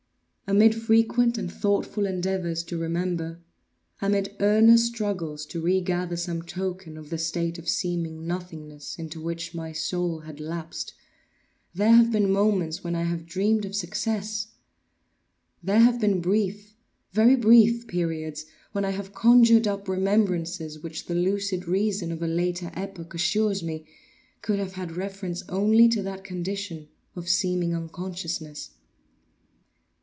Amid frequent and thoughtful endeavors to remember; amid earnest struggles to regather some token of the state of seeming nothingness into which my soul had lapsed, there have been moments when I have dreamed of success; there have been brief, very brief periods when I have conjured up remembrances which the lucid reason of a later epoch assures me could have had reference only to that condition of seeming unconsciousness.